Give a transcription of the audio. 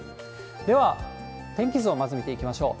では、天気図をまず見ていきましょう。